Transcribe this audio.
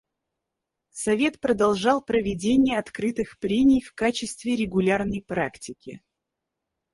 Совет продолжал проведение открытых прений в качестве регулярной практики.